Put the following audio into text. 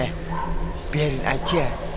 eh biarin aja